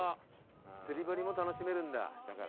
釣り堀も楽しめるんだだから。